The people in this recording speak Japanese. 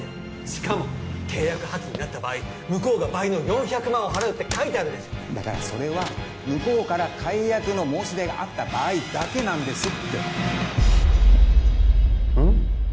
しかも契約破棄になった場合向こうが倍の４００万を払うって書いてあるでしょだからそれは向こうから解約の申し出があった場合だけなんですってうん？